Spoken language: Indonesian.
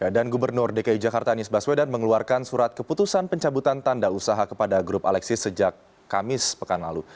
dan gubernur dki jakarta anies baswedan mengeluarkan surat keputusan pencabutan tanda usaha kepada grup aleksis sejak kamis pekan lalu